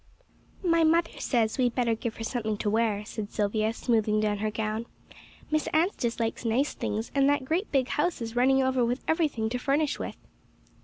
"My mother says we better give her something to wear," said Silvia, smoothing down her gown. "Miss Anstice likes nice things; and that great big house is running over with everything to furnish with."